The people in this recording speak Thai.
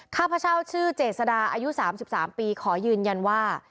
ข้าพเช้าชื่อเจสดาอายุสามสิบสามปีขอยืนยันว่า